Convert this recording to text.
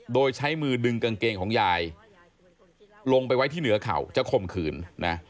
โดยใช้มือดึงกางเกงของยายลงไปไว้ที่เหนือเข่าจะข่มขืนนะ